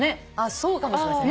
そうかもしれませんね。